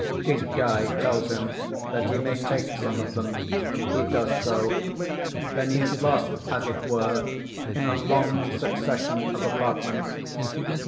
His guide tells him that he may take some of them. He does so. Then he is lost, as it were, in a long succession of apartments.